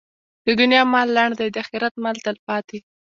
د دنیا مال لنډ دی، د اخرت مال تلپاتې.